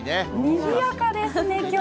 にぎやかですね、きょうは。